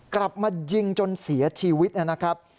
กลับมายิงจนเสียชีวิตนะครับ